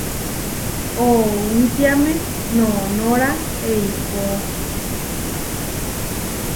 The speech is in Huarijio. Oʼowitiáme noʼnóra eikó.